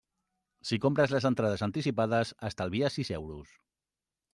Si compres les entrades anticipades estalvies sis euros.